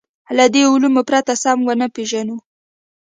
له دې علومو پرته سمه ونه پېژنو.